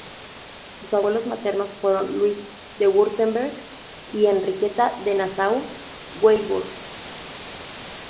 Sus abuelos maternos fueron Luis de Wurtemberg y Enriqueta de Nassau-Weilburg.